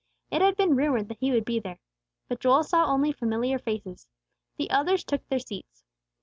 It had been rumored that He would be there. But Joel saw only familiar faces. The elders took their seats.